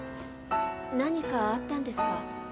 何かあったんですか？